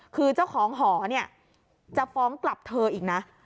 คือเจ้าของหอเนี่ยจะฟ้องกลับเธออีกนะ